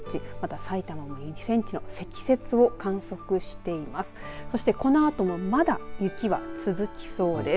埼玉も２センチの積雪を観測しています。